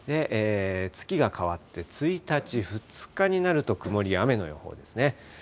月が替わって、１日、２日になると曇りや雨の予報ですね。